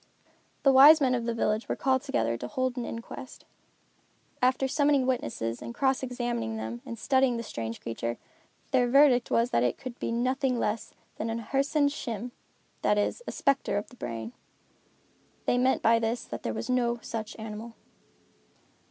The wise men of the village were called together to hold an inquest. After summoning witnesses, and cross examining them and studying the strange creature, their verdict was that it could be nothing less than a Hersen Schim, that is, a spectre of the brain. They meant by this that there was no such animal.